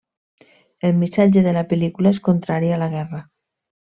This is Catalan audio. El missatge de la pel·lícula és contrari a la guerra.